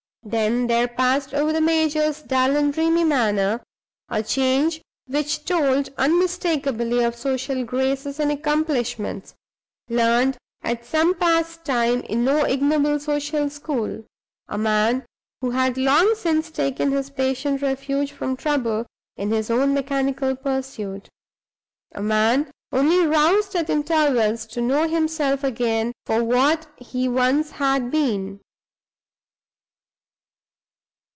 Then there passed over the major's dull and dreamy manner a change which told unmistakably of social graces and accomplishments, learned at some past time in no ignoble social school; a man who had long since taken his patient refuge from trouble in his own mechanical pursuit; a man only roused at intervals to know himself again for what he once had been.